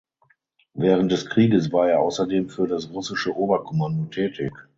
Während des Krieges war er außerdem für das russische Oberkommando tätig.